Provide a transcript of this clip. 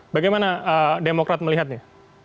bagaimana demokrat melihatnya